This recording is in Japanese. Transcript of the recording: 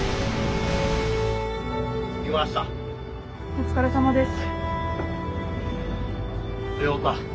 お疲れさまです。